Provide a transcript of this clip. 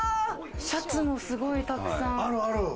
シャツもすごいたくさん。